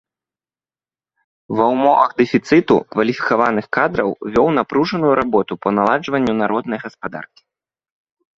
Ва ўмовах дэфіцыту кваліфікаваных кадраў вёў напружаную работу па наладжванню народнай гаспадаркі.